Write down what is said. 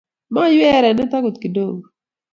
Maiywei erenyet agot kidogo